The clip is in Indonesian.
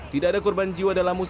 tidak ada korban jiwa dalam musibah